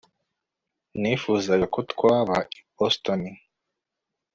Nifuzaga ko twaba i Boston